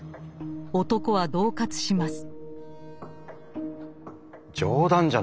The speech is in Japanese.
男は恫喝します。